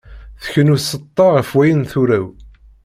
Tkennu tseṭṭa ɣef wayen turew.